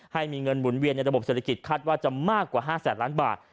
ให้มีเงินหมุนเวียนในระบบเศรษฐกิจคาดว่าจะมากกว่า๕แสนล้านบาท